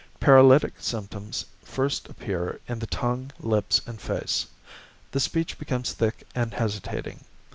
Paralytic symptoms first appear in the tongue, lips, and face; the speech becomes thick and hesitating.